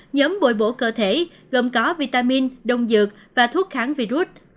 nhóm bồi bổ cơ thể gồm có vitamin đông dược và thuốc kháng virus